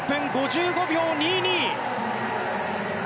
１分５５秒２２。